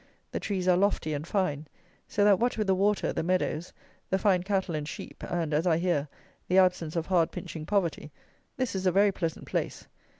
The trees are lofty and fine: so that what with the water, the meadows, the fine cattle and sheep, and, as I hear, the absence of hard pinching poverty, this is a very pleasant place.